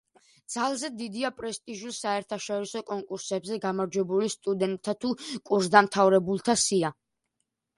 ძალზედ დიდია პრესტიჟულ საერთაშორისო კონკურსებზე გამარჯვებულ სტუდენტთა თუ კურსდამთავრებულთა სია.